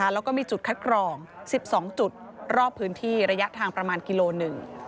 แล้วก็มีจุดคัดกรอง๑๒จุดรอบพื้นที่ระยะทางประมาณกิโลหนึ่ง